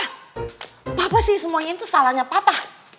apa apa sih semua ini salahnya papa